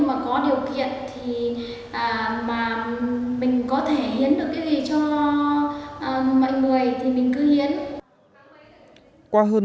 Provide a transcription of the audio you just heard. thì mình có thể hiến được cái gì cho mọi người thì mình cứ hiến